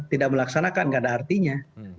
tidak melaksanakan gak ada artinya